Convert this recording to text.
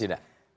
terima kasih da